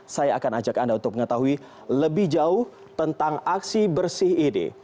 saya akan ajak anda untuk mengetahui lebih jauh tentang aksi bersih ini